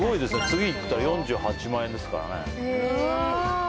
次いったら４８万円ですからね